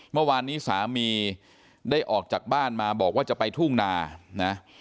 เมื่อวานนี้สามีได้ออกจากบ้านมาบอกว่าจะไปทุ่งนานะ